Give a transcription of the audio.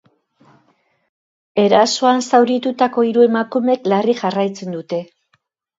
Erasoan zauritutako hiru emakumek larri jarraitzen dute.